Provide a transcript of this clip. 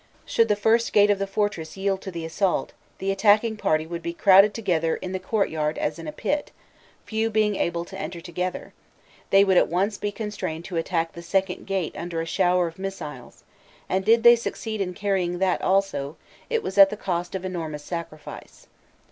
Should the first gate of the fortress yield to the assault, the attacking party would be crowded together in the courtyard as in a pit, few being able to enter together; they would at once be constrained to attack the second gate under a shower of missiles, and did they succeed in carrying that also, it was at the cost of enormous sacrifice.